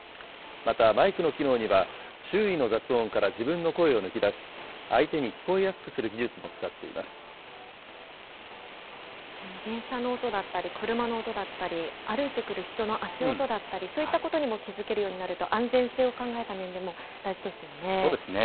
またマイクの機能には、周囲の雑音から自分の声を抜き出し、相手に聞こえやすくする技術も使って電車の音だったり、車の音だったり、歩いてくる人の足音だったり、そういうことにも気付けるようになると、安全性を考えた面でも大そうですね。